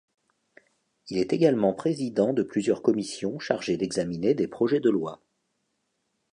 Il est également président de plusieurs commissions chargées d'examiner des projets de loi.